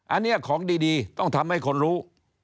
อันนี้ของดีต้องทำให้คนรู้